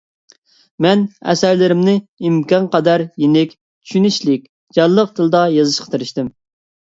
مەن ئەسەرلىرىمنى ئىمكانقەدەر يېنىك، چۈشىنىشلىك، جانلىق تىلدا يېزىشقا تىرىشتىم.